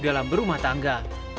dan berumah tangga